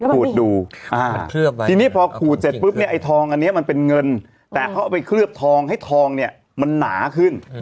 ขูดดูทีนี้พอขูดเสร็จปุ๊บเนี่ยไอ้ทองอันนี้มันเป็นเงินแต่เขาเอาไปเคลือบทองให้ทองเนี่ยมันหนาขึ้น